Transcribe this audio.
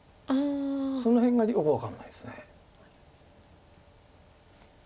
その辺がよく分かんないです。